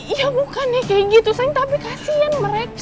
iya bukannya kayak gitu sayang tapi kasihan mereka